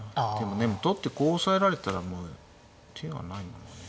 でも取ってこう押さえられたらもう手がない。